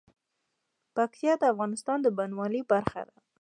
پکتیا د افغانستان د بڼوالۍ برخه ده.